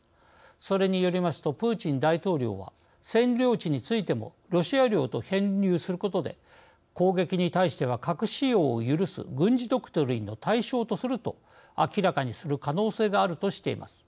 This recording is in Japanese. それによりますとプーチン大統領は占領地についてもロシア領と編入することで攻撃に対しては核使用を許す軍事ドクトリンの対象とすると明らかにする可能性があるとしています。